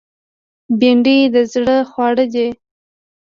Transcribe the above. بېنډۍ د زړه خواړه دي